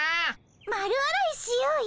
丸洗いしようよ。